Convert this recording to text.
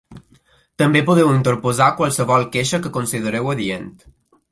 També podeu interposar qualsevol queixa que considereu adient.